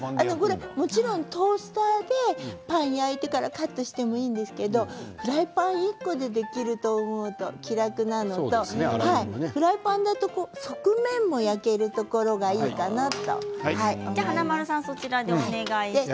もちろんトースターでパンを焼いてからカットしてもいいんですけどフライパン１個でできると思うと気楽なのとフライパンだと側面も焼けるところがいいかなと思います。